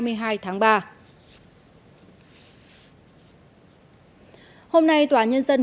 hôm nay tòa nhân dân huyện nguyễn thịnh